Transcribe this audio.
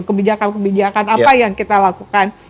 kebijakan kebijakan apa yang kita lakukan